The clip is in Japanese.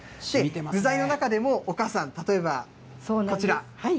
具材の中でも、お母さん、例えばこちら。